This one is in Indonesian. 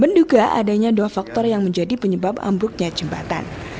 menduga adanya dua faktor yang menjadi penyebab ambuknya jembatan